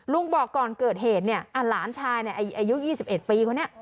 ลุงบอกก่อนเกิดเหตุหลานชายอายุ๒๑ปีคนนี้